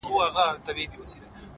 • ښايستو کي خيالوري پيدا کيږي،